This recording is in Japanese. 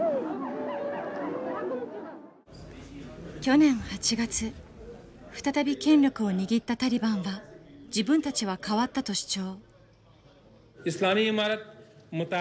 去年８月再び権力を握ったタリバンは自分たちは変わったと主張。